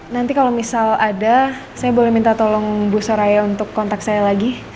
nanti kalau misal ada saya boleh minta tolong bu soraya untuk kontak saya lagi